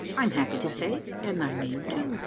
I'm happy to say, and thy name too.